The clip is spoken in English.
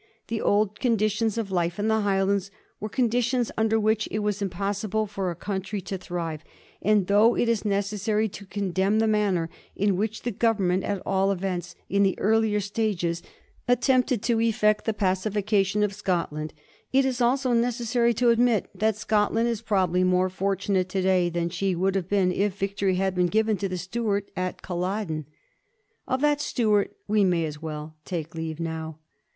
The old conditions of life in the High lands were conditions under which it was impossible for a country to thrive; and though it is necessary to condemn the manner in which the Government, at all events in the earlier stages, attempted to effect the pacification of Scot land, it is also necessary to admit that Scotland is proba bly more fortunate to day than she would have been if victory had been given to the Stuart at Culloden. Of that Stuart we may as well take leave now.